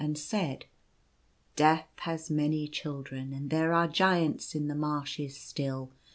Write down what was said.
d said : 4< Death has many chi'dren, and there are Giants in the marshes still.